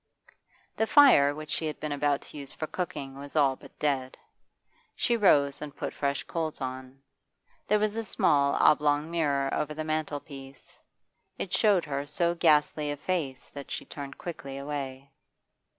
The fire which she had been about to use for cooking was all but dead. She rose and put fresh coals on. There was a small oblong mirror over the mantelpiece; it showed her so ghastly a face that she turned quickly away.